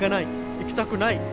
行きたくない。